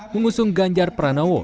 mengusung ganjar pranowo